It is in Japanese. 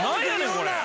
これ！